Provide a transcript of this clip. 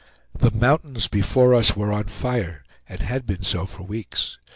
The mountains before us were on fire, and had been so for weeks.